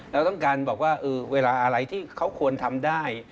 เราต้องการบอกว่าเวลาอะไรที่เขาควรทำได้